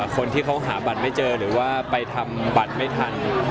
คนที่เขาหาบัตรไม่เจอหรือว่าไปทำบัตรไม่ทัน